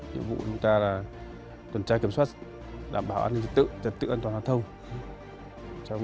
nhiệm vụ chúng ta là tuần tra kiểm soát đảm bảo an ninh trật tự an toàn giao thông